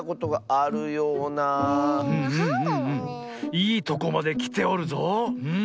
いいとこまできておるぞうん。